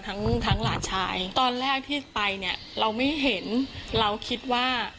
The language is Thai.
ทั้งทั้งหลานชายตอนแรกที่ไปเนี่ยเราไม่เห็นเราคิดว่า